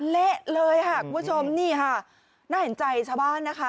เละเลยค่ะคุณผู้ชมนี่ค่ะน่าเห็นใจชาวบ้านนะคะ